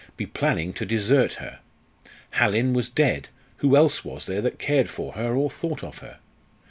be planning to desert her. Hallin was dead who else was there that cared for her or thought of her?